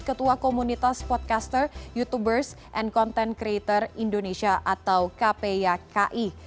ketua komunitas podcaster youtubers dan konten kreator indonesia atau kpi